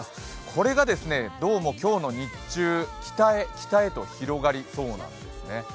これがどうも今日の日中、北へ北へと広がりそうなんですね。